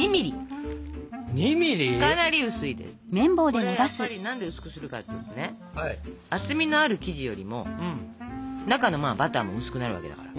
これやっぱり何で薄くするかっていうとね厚みのある生地よりも中のバターも薄くなるわけだから。